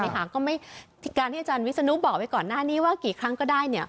การที่อาจารย์วิศนุบอกไว้ก่อนหน้านี้ว่ากี่ครั้งก็ได้